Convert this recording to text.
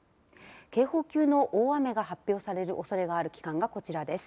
警報級の大雨が発表されるおそれがある期間がこちらです。